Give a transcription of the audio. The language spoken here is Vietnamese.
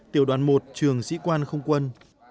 tiểu đoàn một trường sĩ quan không quân